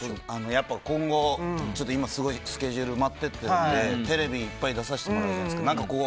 今後、今すごいスケジュールが埋まっていってるのでテレビいっぱい出させてもらえるじゃないですか。